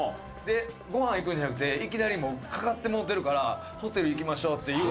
でごはん行くんじゃなくていきなりもうかかってもうてるからホテル行きましょうって。